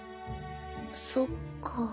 そっか。